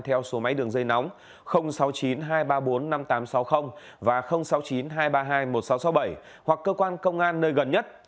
theo số máy đường dây nóng sáu mươi chín hai trăm ba mươi bốn năm nghìn tám trăm sáu mươi và sáu mươi chín hai trăm ba mươi hai một nghìn sáu trăm sáu mươi bảy hoặc cơ quan công an nơi gần nhất